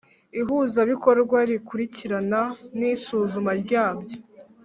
ihuzabikorwa rikurikirana n isuzuma ryabyo